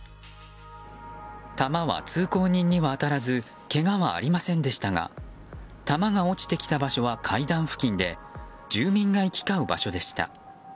球は通行人には当たらずけがはありませんでしたが球が落ちてきた場所は階段付近で住民が行き交う場所でした。